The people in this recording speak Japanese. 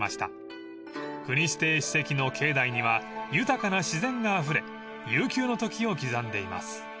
［国指定史跡の境内には豊かな自然があふれ悠久の時を刻んでいます］